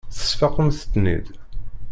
Tesfaqemt-ten-id.